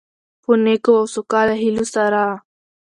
په نیکو او سوکاله هيلو سره،